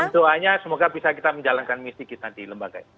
doanya semoga bisa kita menjalankan misi kita di lembaga ini